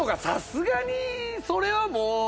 さすがにそれはもう。